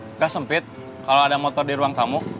sudah sempit kalau ada motor di ruang tamu